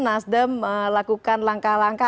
nasden melakukan langkah langkah